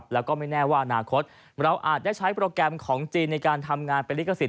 แล้วก็ไม่แน่ว่าอนาคตเราอาจได้ใช้โปรแกรมของจีนในการทำงานเป็นลิขสิท